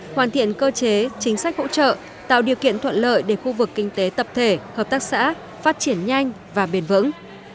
hoàn thiện cơ chế chính sách hỗ trợ tạo điều kiện thuận lợi để khu vực kinh tế tập thể hợp tác xã phát triển nhanh và bền vững